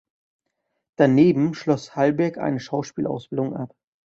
Daneben schloss Hallberg eine Schauspielausbildung ab.